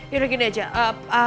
yaudah gini aja